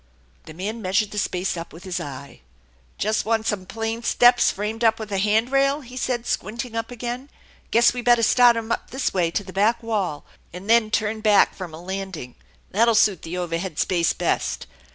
The man. measured the space up with his eye. " Just want plain steps framed up with a hand rail ?" he said, squinting up again. " Guess we better start 'em up this way to the back wall and then turn back from a landing. That'll suit the overhead space best.